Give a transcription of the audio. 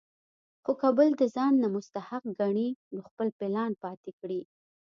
خو کۀ بل د ځان نه مستحق ګڼي نو خپل پلان پاتې کړي ـ